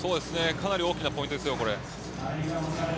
かなり大きなポイントですよ。